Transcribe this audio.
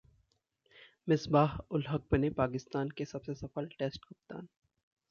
मिसबाह-उल-हक बने पाकिस्तान के सबसे सफल टेस्ट कप्तान